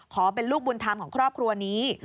เป็นลูกบุญธรรมของครอบครัวนี้